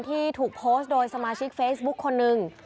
ที่ถูกโพสต์โดยสมาชิกเฟซบุ๊คคนหนึ่ง